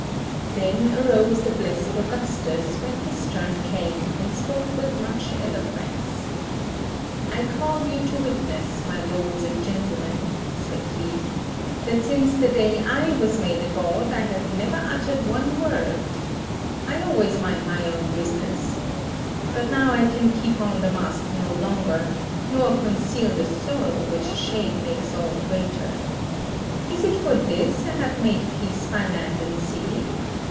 Then arose the blessed Augustus, when his turn 10 came, and spoke with much eloquence. [Footnote: The speech seems to contain a parody of Augustus's style and sayings.] "I call you to witness, my lords and gentlemen," said he, "that since the day I was made a god I have never uttered one word. I always mind my own business. But now I can keep on the mask no longer, nor conceal the sorrow which shame makes all the greater. Is it for this I have made peace by land and sea?